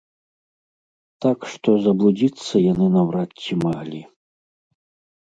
Так што, заблудзіцца яны наўрад ці маглі.